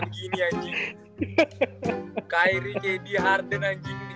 anjing gue liat hp si harden official kena nerser bangsat kan